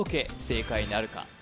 正解なるか？